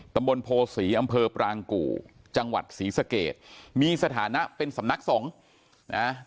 ตำบลโพศีอำเภอปรางกู่จังหวัดศรีสะเกดมีสถานะเป็นสำนักสงฆ์นะ